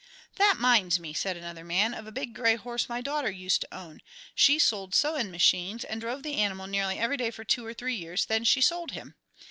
"That 'minds me," said another man, "of a big gray horse my daughter used to own. She sold sewing machines, and drove the animal nearly every day for two or three years; then she sold him.